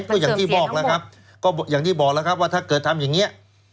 ก็อย่างที่บอกแล้วครับก็อย่างที่บอกแล้วครับว่าถ้าเกิดทำอย่างนี้